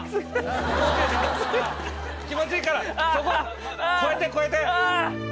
気持ちいいからそこ超えて超えて。